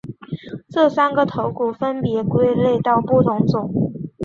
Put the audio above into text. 这三个头骨分别归类到不同种。